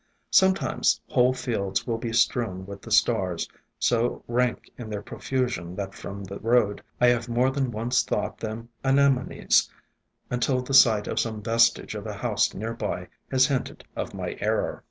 Sometimes whole fields will be strewn with the stars, so rank in their profusion that from the road I have more than once thought them Anemones, until the sight of some vestige of a house near by has hinted of my error.